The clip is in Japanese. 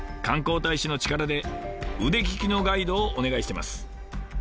観光大使の力で腕利きのガイドをお願いしてます。